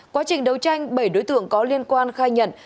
quá trình đấu tranh bảy đối tượng có liên quan khai nhận